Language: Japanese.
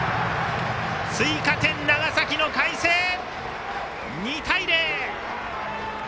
追加点、長崎の海星、２対０！